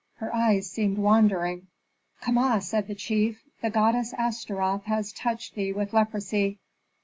Her eyes seemed wandering. "Kama," said the chief, "the goddess Astaroth has touched thee with leprosy."